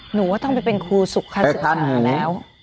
หนูว่าต้องไปเป็นครูทรุกศึกษา